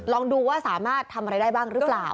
ลองดูว่าสามารถทำอะไรได้บ้างหรือเปล่า